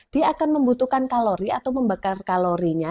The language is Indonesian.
dia akan membutuhkan kalori atau membakar kalorinya